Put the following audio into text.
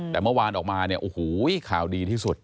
แต่เมื่อวานออกมาเนี่ยโอ้โหข่าวดีที่สุด